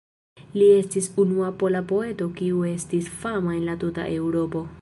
Li estis unua pola poeto kiu estis fama en la tuta Eŭropo.